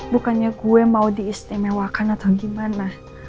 bukannya gue mau diistimewakan atau gimana